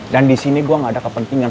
dan di sini saya tidak ada kepentingan